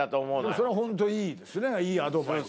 それはホントいいですねいいアドバイス。